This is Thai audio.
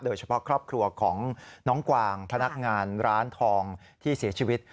โดยเฉพาะครอบครัวของน้องกวางพนักงานร้านทองที่เสียชีวิต